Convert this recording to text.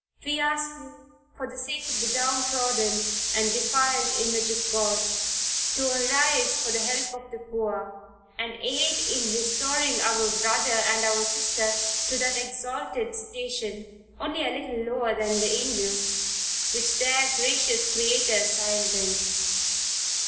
We ask you, for the sake of the down trodden and defiled image of God, to arise for the help of the poor, and aid in restoring our brother and our sister to that exalted station, only a little lower than the angels, which their gracious Creator assigned them.